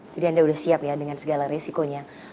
jadi anda sudah siap ya dengan segala risikonya